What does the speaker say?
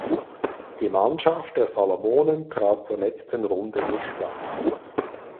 Die Mannschaft der Salomonen trat zur letzten Runde nicht an.